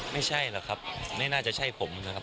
ไม่ใช่หรอกครับไม่น่าจะใช่ผมนะครับ